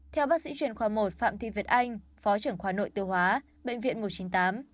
theo bác sĩ chuyên khoa một phạm thị việt anh phó trưởng khoa nội tiêu hóa bệnh viện một trăm chín mươi tám